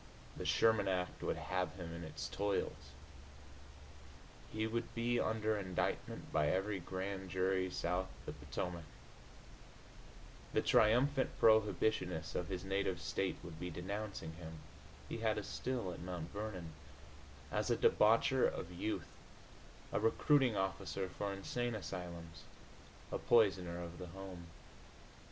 The Sherman Act would have him in its toils; he would be under indictment by every grand jury south of the Potomac; the triumphant prohibitionists of his native state would be denouncing him (he had a still at Mount Vernon) as a debaucher of youth, a recruiting officer for insane asylums, a poisoner of the home.